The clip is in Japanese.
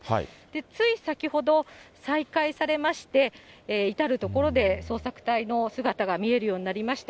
つい先ほど、再開されまして、至る所で捜索隊の姿が見えるようになりました。